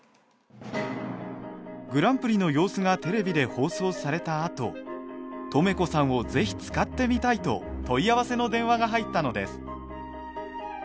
グランプリの様子がテレビで放送されたあととめこさんをぜひ使ってみたいと問い合わせの電話が入ったのです。